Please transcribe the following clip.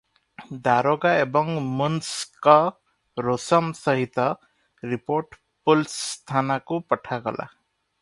ଦାରୋଗା ଏବଂ ମୁନ୍ସଙ୍କ ରୋସମ୍ ସହିତ ରିପୋର୍ଟ ପୁଲସ୍ ଥାନାକୁ ପଠାଗଲା ।